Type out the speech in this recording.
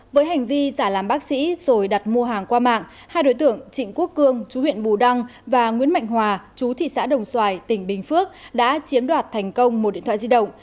với hành vi giả làm bác sĩ rồi đặt mua hàng qua mạng hai đối tượng trịnh quốc cương chú huyện bù đăng và nguyễn mạnh hòa chú thị xã đồng xoài tỉnh bình phước đã chiếm đoạt thành công một điện thoại di động